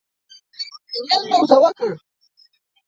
ایمیل مې ورته وکړ.